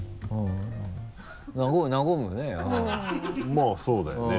まぁそうだよね。